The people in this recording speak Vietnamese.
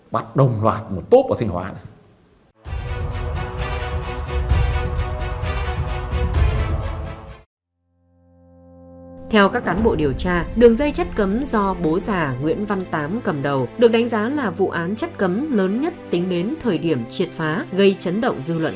bắt đồng loạt một tốp ở thinh hoa